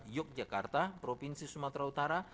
yogyakarta provinsi sumatera utara